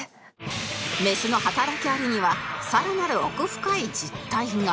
メスの働きアリには更なる奥深い実態が！